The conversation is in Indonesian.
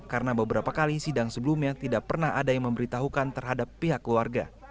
karena beberapa kali sidang sebelumnya tidak pernah ada yang memberitahukan terhadap pihak keluarga